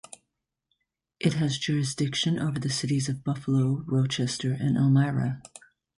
It has jurisdiction over the cities of Buffalo, Rochester, and Elmira.